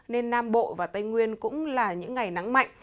nên nam bộ và tây nguyên cũng là những ngày nắng mạnh